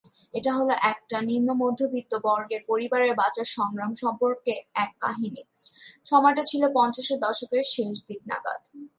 এটা হল একটা নিম্ন মধ্যবিত্ত বর্গের পরিবারের বাঁচার সংগ্রাম সম্পর্কে এক কাহিনি; সময়টা ছিল পঞ্চাশের দশকের শেষ দিক নাগাদ।